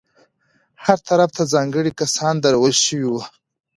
هر طرف ته ځانګړي کسان درول شوي وو.